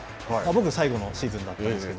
僕は最後のシーズンでしたが。